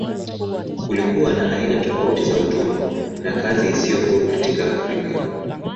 Kulikuwa na aina tofauti za utumwa na kazi isiyo huru katika Afrika.